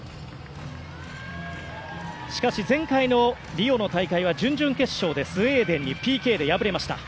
しかし前回のリオの大会は準々決勝でスウェーデンにＰＫで敗れました。